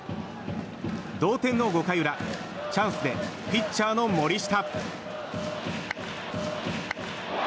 同点の５回裏チャンスでピッチャーの森下。